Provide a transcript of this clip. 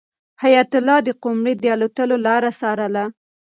حیات الله د قمرۍ د الوتلو لاره څارله.